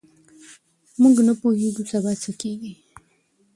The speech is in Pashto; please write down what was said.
موږ نه پوهېږو سبا څه کیږي.